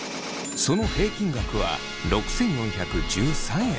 その平均額は６，４１３円。